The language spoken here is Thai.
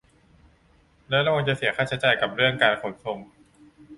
และระวังจะเสียค่าใช้จ่ายกับเรื่องการขนส่ง